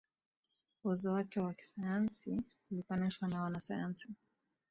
Uwezo wake wa kisayansi ulipanushwa na wanasayansi